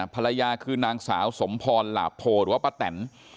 ภรรยาคือนางสาวสมพรหลาโพหรือว่าป้าแตน